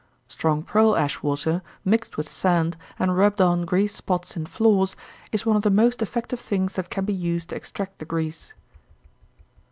Strong pearl ash water, mixed with sand, and rubbed on grease spots in floors, is one of the most effective things that can be used to extract the grease.